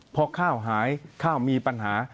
พอข้าวหายข้าวมีปัญหา